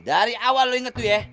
dari awal lo inget tuh ya